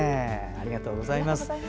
ありがとうございます。